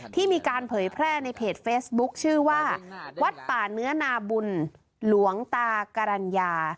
ที่มีการเผยแพร่ในเพจเฟซบุ๊คชื่อว่าวัดป่าเนื้อนาบุญหลวงตากรรณญา